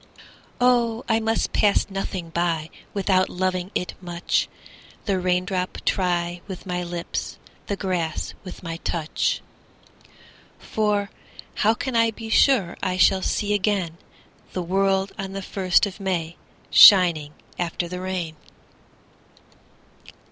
Oh I must pass nothing by Without loving it much, The raindrop try with my lips, The grass with my touch; For how can I be sure I shall see again The world on the first of May Shining after the rain?